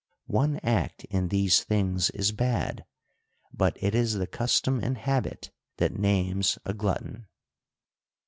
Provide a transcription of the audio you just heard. One act in these things is bad ; but it is the custom and habit that names a glutton.